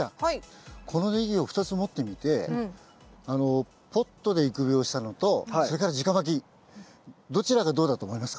このネギを２つ持ってみてポットで育苗したのとそれからじかまきどちらがどうだと思いますか？